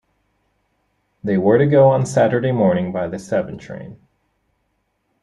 They were to go on Saturday morning by the seven train.